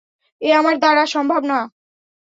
এ আমার দ্বারা সম্ভবই না!